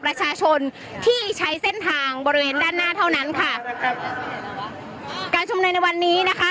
ประชาชนที่ใช้เส้นทางบริเวณด้านหน้าเท่านั้นค่ะครับการชุมนุมในวันนี้นะคะ